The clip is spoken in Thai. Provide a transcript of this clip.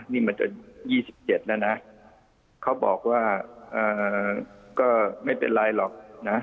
นี่มาจน๒๗แล้วนะเขาบอกว่าก็ไม่เป็นไรหรอกนะ